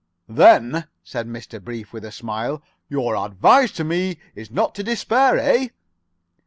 "Then," said Mr. Brief, with a smile, "your advice to me is not to despair, eh?"